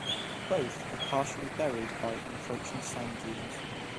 Both are partially buried by encroaching sand dunes.